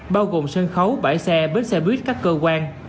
bao gồm sân khấu bãi xe bến xe buýt các cơ quan